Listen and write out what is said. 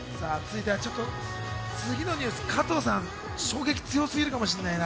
次のニュース、加藤さん、衝撃強すぎるかもしれないな。